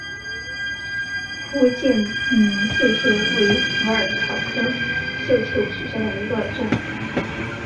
福建绣球为虎耳草科绣球属下的一个种。